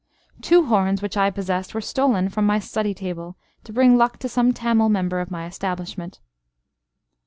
Two horns, which I possessed, were stolen from my study table, to bring luck to some Tamil member of my establishment.